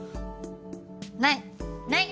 ないない